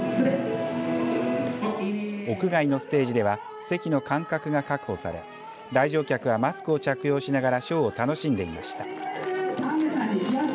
屋外のステージでは席の間隔が確保され来場客はマスクを着用しながらショーを楽しんでいました。